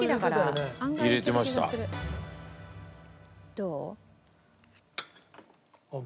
どう？